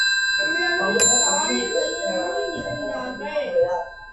குள்ளனும் தாழிவயிறனுந்தான் இருந்தார்கள்.